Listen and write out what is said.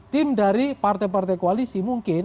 tim dari partai partai koalisi mungkin